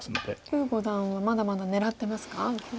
呉五段はまだまだ狙ってますか右辺。